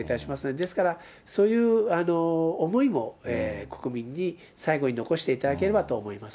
ですから、そういう思いも、国民に最後に残していただければと思います。